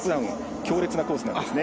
強烈なコースなんですね。